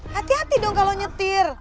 hati hati dong kalau nyetir